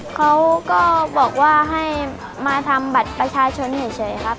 เขาก็บอกว่าให้มาทำบัตรประชาชนเฉยครับ